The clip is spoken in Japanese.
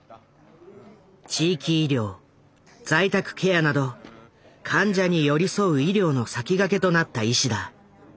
地域医療在宅ケアなど患者に寄り添う医療の先駆けとなった医師だ。